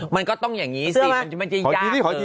มันก็ต้องอย่างนี้สิมันจะยากเกิน